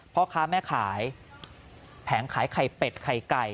พ่อค้าแม่ขายแผงขายไข่เป็ดไข่ไก่